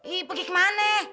ibu pergi ke mana